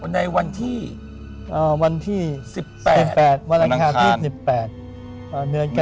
ในวันที่๑๘มคบศ๒๘ปย๑๙๘๔หรือฮะ